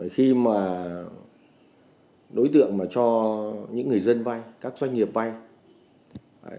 khi mà đối tượng mà cho những người dân vay các doanh nghiệp vay